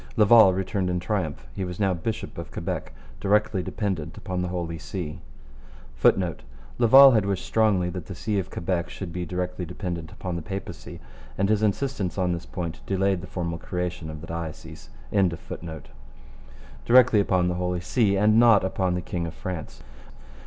Laval returned in triumph. He was now bishop of Quebec, directly dependent upon the Holy See [Footnote: Laval had wished strongly that the see of Quebec should be directly dependent on the Papacy, and his insistence on this point delayed the formal creation of the diocese.] and not upon the king of France.